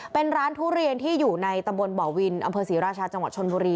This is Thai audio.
เป็นร้านทุเรียนที่อยู่ในตำบลบ่อวินอำเภอศรีราชาจังหวัดชนบุรี